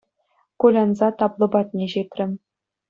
Кулянса табло патне ҫитрӗм.